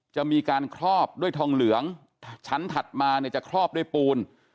จะมีการครอบด้วยทองเหลืองชั้นถัดมาเนี่ยจะครอบด้วยปูน